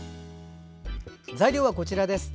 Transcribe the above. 材料はこちらです。